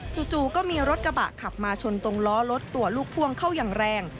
จู่ก็มีรถกระบะขับมาชนตรงล้อรถตัวลูกพ่วงเข้าอย่างแรง